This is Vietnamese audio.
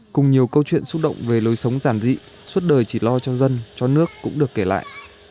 cùng nhiều câu chuyện xúc động về lối sống giản dị suốt đời chỉ lo cho dân cho nước cũng được kể lại